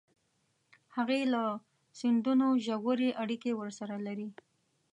هغه له سندونو ژورې اړیکې ورسره لري